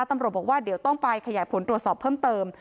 ตำรวจบอกว่าเดี๋ยวต้องไปขยายผลตรวจสอบเพิ่มเติม